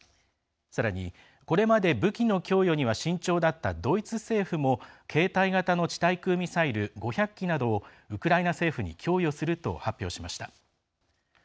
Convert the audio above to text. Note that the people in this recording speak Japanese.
さらに、これまで武器の供与には慎重だったドイツ政府も携帯型の地対空ミサイル５００基などをウクライナ政府に供与すると発表しました。